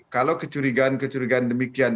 kalau kecurigaan kecurigaan itu ada di dalamnya